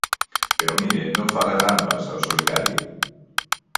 Pero mire, non faga trampas ao solitario.